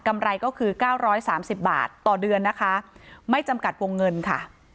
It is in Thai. ไรก็คือ๙๓๐บาทต่อเดือนนะคะไม่จำกัดวงเงินค่ะ